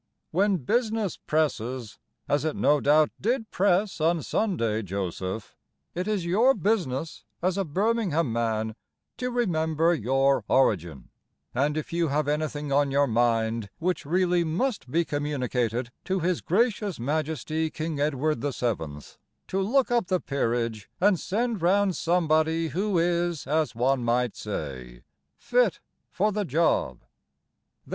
When business presses, As it no doubt did press on Sunday, Joseph, It is your business, as a Birmingham man, To remember your origin, And, if you have anything on your mind Which really must be communicated To His Gracious Majesty King Edward the Seventh, To look up the peerage and send round somebody Who is, as one might say, fit for the job.